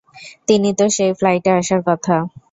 তিনি তো সেই ফ্লাইটে আসার কথা।